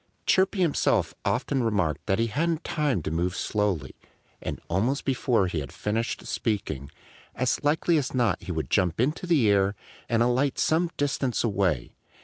Chirpy himself often remarked that he hadn't time to move slowly. And almost before he had finished speaking, as likely as not he would jump into the air and alight some distance away.